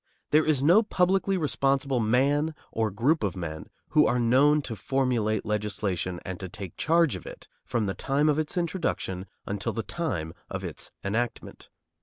There is no publicly responsible man or group of men who are known to formulate legislation and to take charge of it from the time of its introduction until the time of its enactment.